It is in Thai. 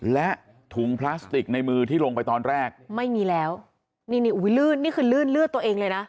และถุงพลาสติกในมือที่ลงไปตอนแรกไม่มีแล้วนี่คือลื่นเลือดตัวเองเลยนะ